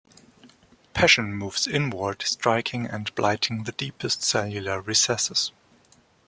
Passion moves inward, striking and blighting the deepest cellular recesses.